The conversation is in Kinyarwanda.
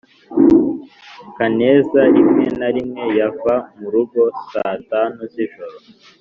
kaneza rimwe na rimwe yava mu rugo saa tanu z’ijoro